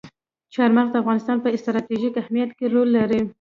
چار مغز د افغانستان په ستراتیژیک اهمیت کې رول لري.